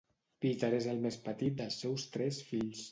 Peter és el més petit dels seus tres fills.